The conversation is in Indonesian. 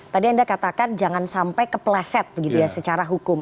tadi anda katakan jangan sampai kepleset begitu ya secara hukum